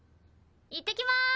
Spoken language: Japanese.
いってきまーす！